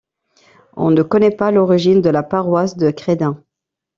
On ne connaît pas l'origine de la paroisse de Crédin.